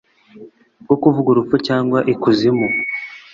bwo kuvuga urupfu cyangwa ikuzimu